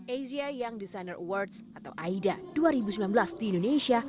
asia young designer awards atau aida dua ribu sembilan belas di indonesia